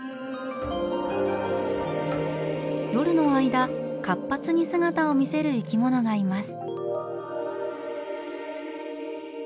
夜の間活発に姿を見せる生き物がいます。